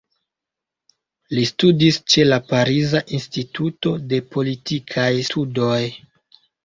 Li studis ĉe la Pariza Instituto de Politikaj Studoj.